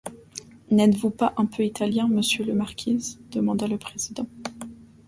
N'êtes-vous pas un peu italien, monsieur le marquis, demanda le président.